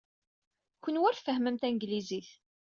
Kenwi ur tfehhmem tanglizit.